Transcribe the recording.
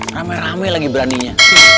rame rame lagi beraninya